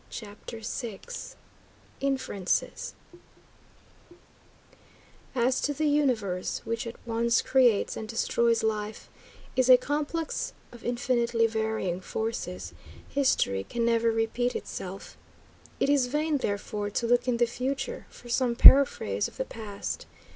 CHAPTER VI INFERENCES As the universe, which at once creates and destroys life, is a complex of infinitely varying forces, history can never repeat itself. It is vain, therefore, to look in the future for some paraphrase of the past.